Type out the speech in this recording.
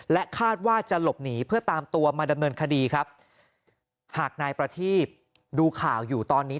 คาดว่าจะหลบหนีเพื่อตามตัวมาดำเนินคดีครับหากนายประทีบดูข่าวอยู่ตอนนี้